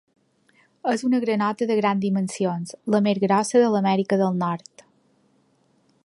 És una granota de grans dimensions, la més grossa de l'Amèrica del Nord.